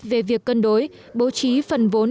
về việc cân đối bố trí phần vốn